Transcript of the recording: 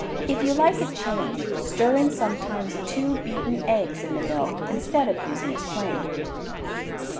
If you like a change, stir in sometimes two beaten eggs in the milk instead of using it plain.